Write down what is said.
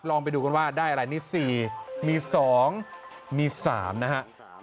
ลองไปดูกันว่าได้อะไรนี่๔มี๒มี๓นะฮะ